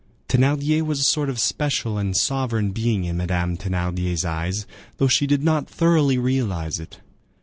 Thénardier was a sort of special and sovereign being in Madame Thénardier's eyes, though she did not thoroughly realize it.